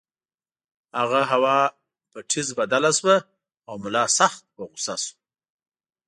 هغه هوا په ټیز بدله شوه او ملا سخت په غُصه شو.